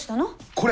これ！